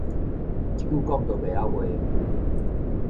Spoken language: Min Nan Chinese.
一句講都袂曉話